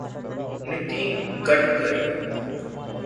Nitin Gadkari